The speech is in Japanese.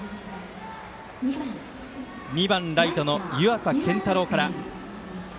２番ライトの湯淺健太郎から。